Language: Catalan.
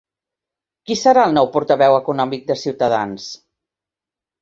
Qui serà el nou portaveu econòmic de Ciutadans?